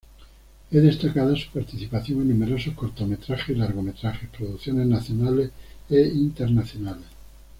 Es destacada su participación en numerosos cortometrajes y largometrajes, producciones nacionales e internacionales.